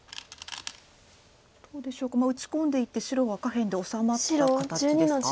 どうでしょうか打ち込んでいって白は下辺で治まった形ですか。